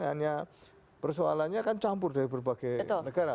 hanya persoalannya kan campur dari berbagai negara